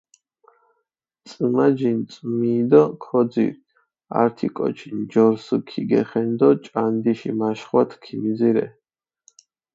წჷმაჯინჷ წჷმიი დო ქოძირჷ, ართი კოჩი ნჯორსჷ ქიგეხენდო ჭანდიში მაშხვათჷ ქიმიძირე.